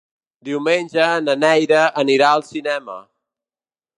Diumenge na Neida anirà al cinema.